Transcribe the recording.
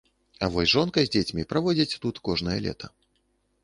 А вось жонка з дзецьмі праводзяць тут кожнае лета.